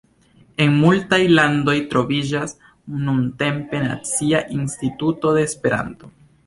En multaj landoj troviĝas nuntempe nacia instituto de Esperanto.